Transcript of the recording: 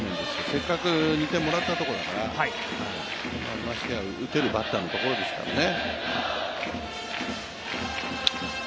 せっかく２点もらったところだからましてや打てるバッターのところですからね。